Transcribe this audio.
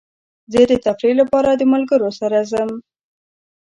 زه د تفریح لپاره د ملګرو سره ځم.